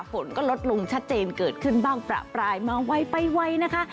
ฝนก็ลดลงชัดเจนเกิดขึ้นบ้างประปรายมาไวไปไวนะคะ